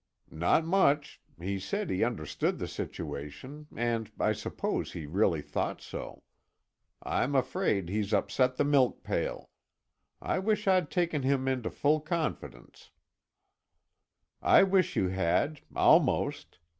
"Not much. He said he understood the situation, and I suppose he really thought so. I'm afraid he's upset the milk pail. I wish I'd taken him into full confidence." "I wish you had, almost.